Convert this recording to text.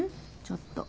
ちょっと。